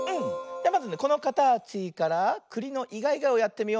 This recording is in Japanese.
じゃあまずねこのかたちからくりのイガイガをやってみよう。